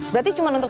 berarti cuma untuk